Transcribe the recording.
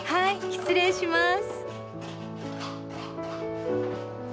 失礼します。